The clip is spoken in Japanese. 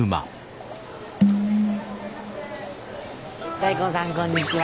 大根さんこんにちは。